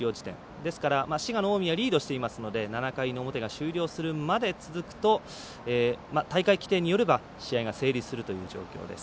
ですから、滋賀の近江はリードしていますので７回の表が終了するまで続くと大会規定によれば試合が成立するという状況です。